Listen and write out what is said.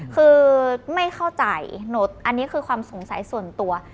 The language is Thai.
คือไม่เข้าใจอันนี้คือความสงสัยส่วนตัว